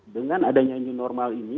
dengan adanya new normal ini